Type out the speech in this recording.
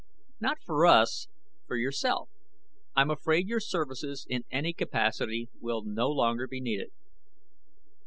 "Not for us, for yourself. I'm afraid your services, in any capacity, will no longer be needed."